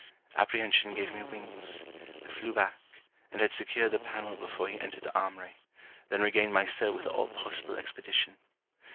Apprehension gave me wings. I flew back; and had secured the pannel before he entered the armoury; then regained my cell with all possible expedition.